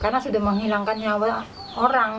karena sudah menghilangkan nyawa orang kan